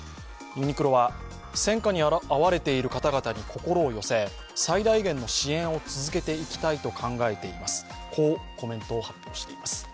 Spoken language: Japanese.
ユニクロは戦禍に遭われている方々に心を寄せ最大限の支援を続けていきたいと考えています、こうコメントを発表しています。